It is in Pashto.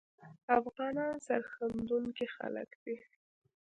افغانان سرښندونکي خلګ دي